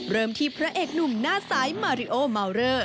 เริ่มที่พระเอกหนุ่มหน้าใสมาริโอมาวเรอ